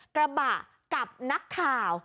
กระบะกับนักข่าว